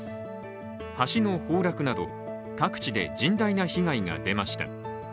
橋の崩落など、各地で甚大な被害が出ました。